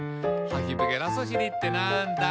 「ハヒブゲラソシリってなんだ？」